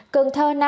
cường thơ năm